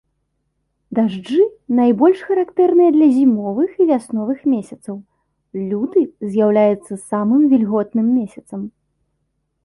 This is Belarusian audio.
Дажджы найбольш характэрныя для зімовых і вясновых месяцаў, люты з'яўляецца самым вільготным месяцам.